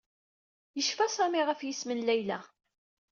Yecfa Sami ɣef yisem n Layla.